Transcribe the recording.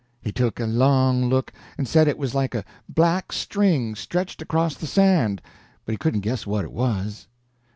He took a long look, and said it was like a black string stretched across the sand, but he couldn't guess what it was.